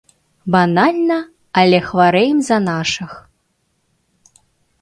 Банальна, але хварэем за нашых.